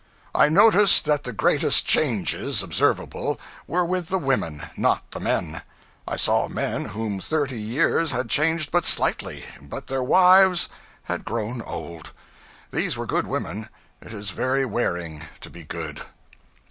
I noticed that the greatest changes observable were with the women, not the men. I saw men whom thirty years had changed but slightly; but their wives had grown old. These were good women; it is very wearing to be good.